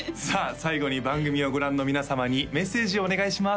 最後に番組をご覧の皆様にメッセージをお願いします